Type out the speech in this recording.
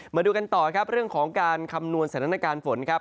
มาดูกันต่อครับเรื่องของการคำนวณสถานการณ์ฝนครับ